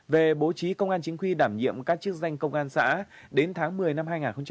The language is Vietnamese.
về bố trí công an chính quy đảm nhiệm các chức danh công an xã đến tháng một mươi năm hai nghìn hai mươi ba